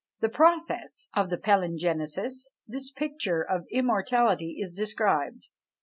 The process of the Palingenesis, this picture of immortality, is described.